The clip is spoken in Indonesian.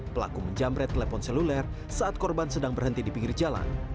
pelaku menjamret telepon seluler saat korban sedang berhenti di pinggir jalan